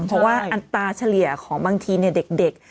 เพราะว่าอัตราเฉลี่ยของบางทีเด็ก